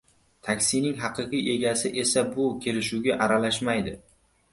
Taksining haqiqiy egasi esa bu kelishuvga aralashmaydi.